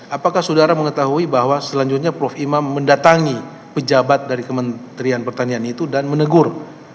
apakah saudara mengetahui bahwa selanjutnya prof imam mendatangi pejabat dari kementerian pertanian itu dan menegur